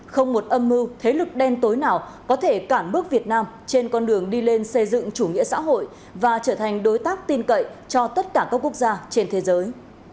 không một âm mưu thế lực đen tối nào có thể cản bước việt nam trên con đường đi lên xây dựng chủ nghĩa xã hội và trở thành đối tác tin cậy cho tất cả các quốc gia trên thế giới